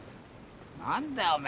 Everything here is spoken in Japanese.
何だよお前。